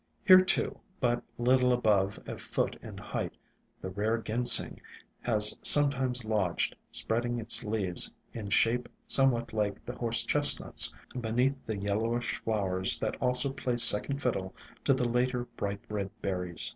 IN SILENT WOODS II? Here, too, but little above a foot in height, the rare Ginseng has sometimes lodged, spreading its leaves, in shape somewhat like the Horse chestnut's, beneath the yellowish flowers that also play second fiddle to the later bright red berries.